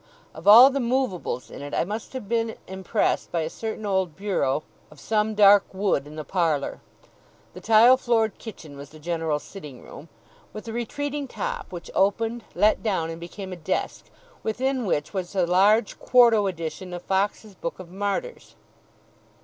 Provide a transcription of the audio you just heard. Of all the moveables in it, I must have been impressed by a certain old bureau of some dark wood in the parlour (the tile floored kitchen was the general sitting room), with a retreating top which opened, let down, and became a desk, within which was a large quarto edition of Foxe's Book of Martyrs.